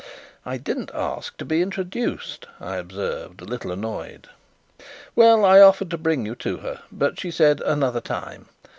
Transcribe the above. "I didn't ask to be introduced," I observed, a little annoyed. "Well, I offered to bring you to her; but she said, 'Another time.